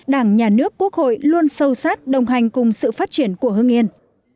đảng nhà nước quốc hội luôn sâu sát đồng hành cùng sự phát triển của hương yên